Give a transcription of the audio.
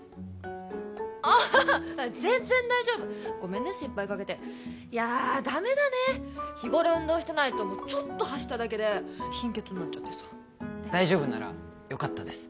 あ全然大丈夫ごめんね心配かけていやダメだね日頃運動してないともうちょっと走っただけで貧血になっちゃってさ大丈夫ならよかったです